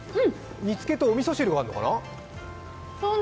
煮付けとおみそ汁があるのかな？